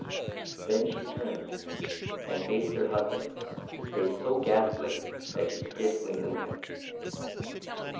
Then she turned and faced her husband, his face so ghastly that she scarcely knew him.